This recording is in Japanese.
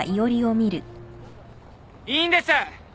いいんです！